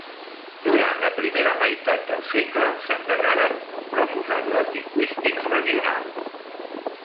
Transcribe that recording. Durant la primera meitat del segle s'endegaren nombrosos atles lingüístics regionals.